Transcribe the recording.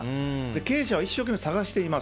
経営者は一生懸命探しています。